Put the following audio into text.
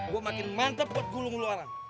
gue makin mantep buat gulung luaran